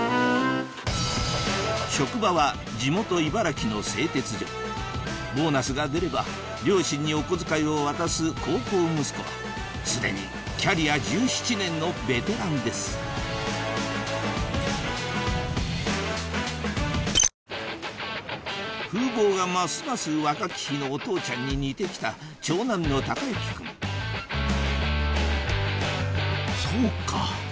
職場は地元茨城の製鉄所ボーナスが出れば両親にお小遣いを渡す孝行息子は既にキャリア１７年のベテランです風貌がますます若き日のお父ちゃんに似て来たそうか